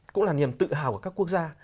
cũng là niềm tự hào của các quốc gia